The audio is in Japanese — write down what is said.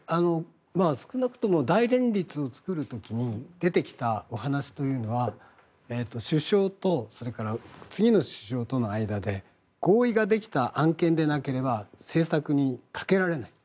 少なくとも大連立を作る時に出てきたお話というのは首相とそれから次の首相との間で合意ができた案件でなければ政策にかけられない。